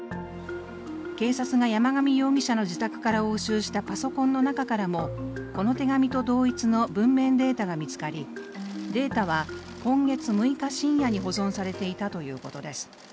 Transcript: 警察が山上容疑者の自宅から押収したパソコンの中からも、この手紙と同一の文面データが見つかりデータは今月６日深夜に保存されていたということです。